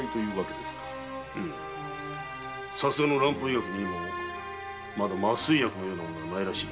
さすがの蘭法医学にもまだ麻酔薬のようなものはないらしい。